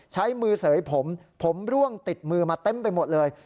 ใช้มือเสยผมผมร่วงติดมือมาเต็มไปหมดเลย